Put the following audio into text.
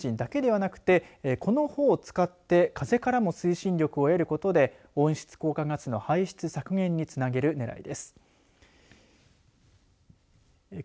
メインの動力であるエンジンだけではなくてこの帆を使って風からも推進力を得ることで温室効果ガスの排出削減につなげるねらいです。